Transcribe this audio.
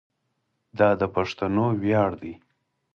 دا د پښتنو ویاړ دی.